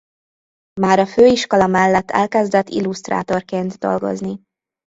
Már a főiskola mellett elkezdett illusztrátorként dolgozni.